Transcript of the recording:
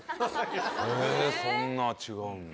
えそんな違うんだ。